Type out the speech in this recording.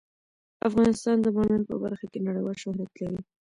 افغانستان د بامیان په برخه کې نړیوال شهرت لري.